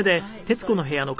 『徹子の部屋』は